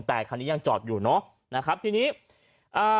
แต่คันนี้ยังจอดอยู่เนาะ